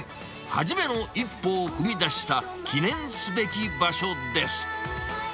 初めの一歩を踏み出した、記念すべき場所です。